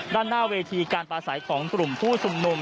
ด้านหน้าเวทีการปลาใสของกลุ่มผู้ชุมนุม